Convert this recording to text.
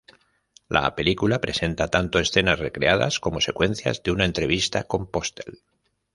La película presenta tanto escenas recreadas como secuencias de una entrevista con Postel.